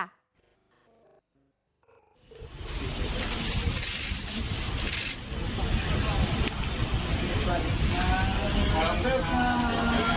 สวัสดีค่ะสวัสดีค่ะ